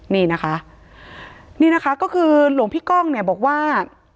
นี่นะคะก็คือหลวงพี่ก้องบอกว่า